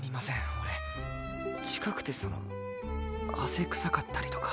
俺近くてその汗臭かったりとか。